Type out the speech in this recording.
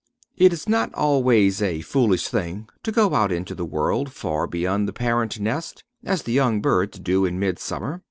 It is not always a foolish thing to go out into the world far beyond the parent nest, as the young birds do in midsummer.